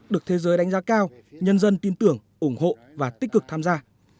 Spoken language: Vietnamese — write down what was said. được thế giới đánh giá cao nhân dân tin tưởng ủng hộ và tích cực tham gia